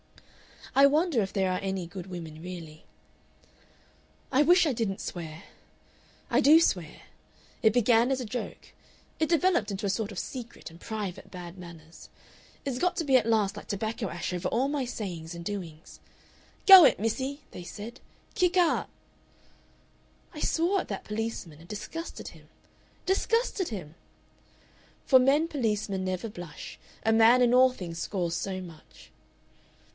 "I wonder if there are any good women really. "I wish I didn't swear. I do swear. It began as a joke.... It developed into a sort of secret and private bad manners. It's got to be at last like tobacco ash over all my sayings and doings.... "'Go it, missie,' they said; "kick aht!' "I swore at that policeman and disgusted him. Disgusted him! "For men policemen never blush; A man in all things scores so much...